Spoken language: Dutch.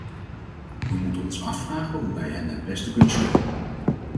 We moeten ons afvragen hoe wij hen het best kunnen steunen.